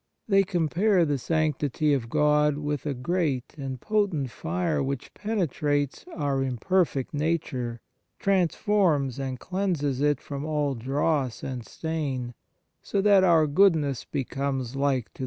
They compare the sanctity of God with a great and potent fire which penetrates our imperfect nature, transforms and cleanses it from all dross and stain, so that our goodness becomes like to the 1 Anselm, in Proslog.